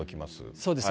そうですね。